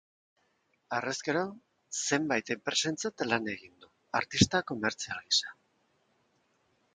Harrezkero, zenbait enpresarentzat lan egin du, artista komertzial gisa.